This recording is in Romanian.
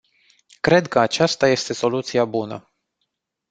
Cred că aceasta este soluția bună.